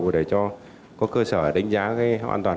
để có cơ sở đánh giá an toàn hệ thống